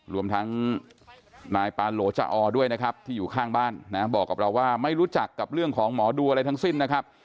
รวมทั้งนายปาโหลจอด้วยนะครับที่อยู่ข้างบ้านนะบอกกับเราว่าไม่รู้จักกับเรื่องของหมอดูอะไรทั้งสิ้นนะครับ